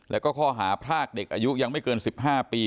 แล้วก็ข้อหาพรากเด็กอายุยังไม่เกิน๑๕ปี